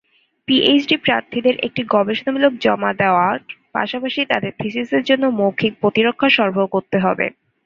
PhD প্রার্থীদের একটি গবেষণামূলক জমা দেওয়ার পাশাপাশি তাদের থিসিসের জন্য মৌখিক প্রতিরক্ষা সরবরাহ করতে হবে।